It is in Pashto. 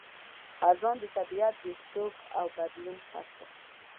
خزان – د طبیعت د سوګ او بدلون فصل